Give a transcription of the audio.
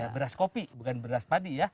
beras kopi bukan beras padi ya